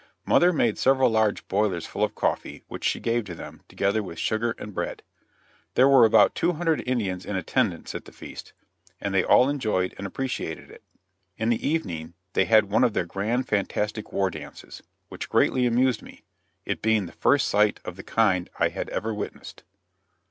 Mother made several large boilers full of coffee, which she gave to them, together with sugar and bread. There were about two hundred Indians in attendance at the feast, and they all enjoyed and appreciated it. In the evening they had one of their grand fantastic war dances, which greatly amused me, it being the first sight of the kind I had ever witnessed.